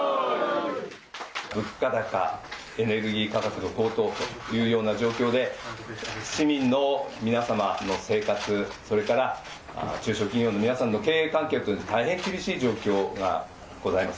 物価高、エネルギー価格の高騰というような状況で、市民の皆様の生活、それから中小企業の皆さんの経営環境というのは、大変厳しい状況がございます。